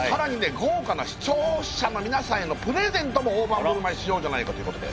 豪華な視聴者の皆さんへのプレゼントも大盤振る舞いしようじゃないかということで。